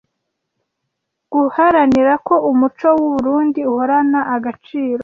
guharanira ko umuco w’u Burunndi uhorana agaciro